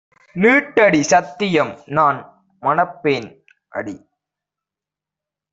நீட்டடி! சத்தியம்! நான்மணப்பேன்! - அடி